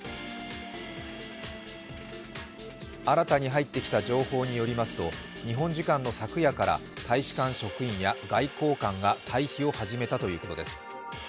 新たに入ってきた情報によりますと日本時間の昨夜から大使館職員や外交官が退避を始めたということです。